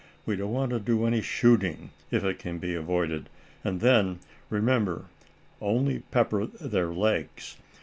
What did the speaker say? We don't want to do any shooting, if it can be avoided; and then, remember, only pepper their legs.